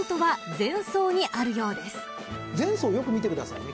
前走よく見てくださいね。